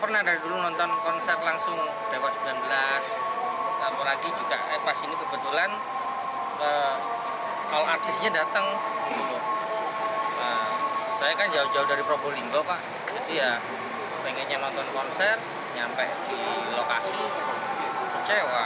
nonton berasanya tidak perlu